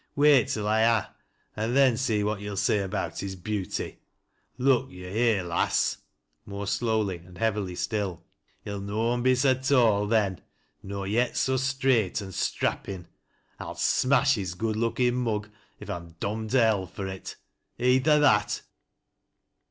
"Wait till I ha', an' then see what yo'll say about his beauty. Look yo' here, lass," — more slowly and heavily still, — "he'll noan be so tall then nor yet so straight an' strappin'. I'll smash his good lookin' mug if I'm dom'd to hell for it. Heed tha that